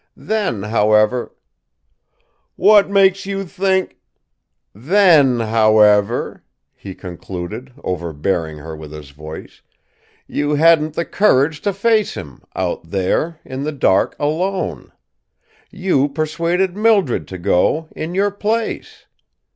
Then, however " "What makes you think " "Then, however," he concluded, overbearing her with his voice, "you hadn't the courage to face him out there, in the dark, alone. You persuaded Mildred to go in your place.